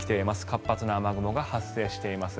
活発な雨雲が発生しています。